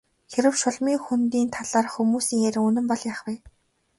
Хэрэв Шулмын хөндийн талаарх хүмүүсийн яриа үнэн бол яах вэ?